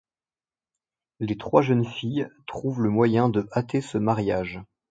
Les trois jeunes filles trouvent le moyen de hâter ce mariage.